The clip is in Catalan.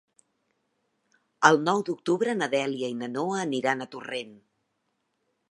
El nou d'octubre na Dèlia i na Noa aniran a Torrent.